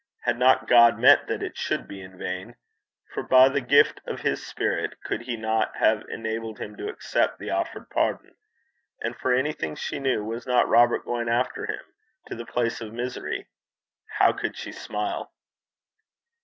Had not God meant that it should be in vain? For by the gift of his Spirit could he not have enabled him to accept the offered pardon? And for anything she knew, was not Robert going after him to the place of misery? How could she smile?